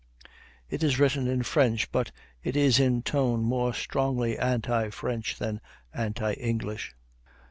It is written in French, but is in tone more strongly anti French than anti English.